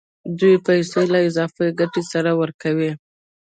دوی پیسې له اضافي ګټې سره ورکوي